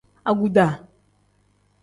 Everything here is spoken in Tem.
Aguda.